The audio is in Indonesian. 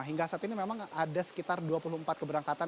hingga saat ini memang ada sekitar dua puluh empat keberangkatan